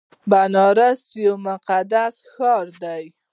بنارس یو مقدس ښار دی.